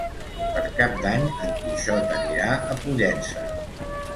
Per Cap d'Any en Quixot anirà a Pollença.